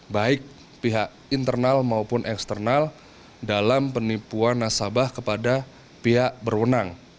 baik pihak internal maupun eksternal dalam penipuan nasabah kepada pihak berwenang